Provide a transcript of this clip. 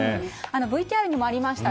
ＶＴＲにもありました